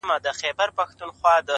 خو ته د هر محفل په ژبه کي هينداره سوې!